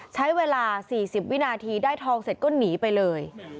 ใช้เวลา๔๐วินาทีได้ทองเสร็จก็หนีไปเลย